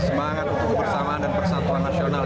semangat untuk kebersamaan dan persatuan nasional